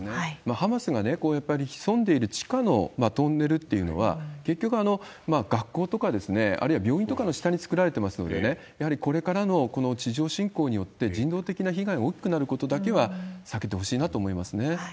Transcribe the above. ハマスが潜んでいる地下のトンネルというのは、結局、学校とか、あるいは病院とかの下に造られていますのでね、やはりこれからのこの地上侵攻によって人道的な被害が大きくなることだけは避けてほしいなと思いますね。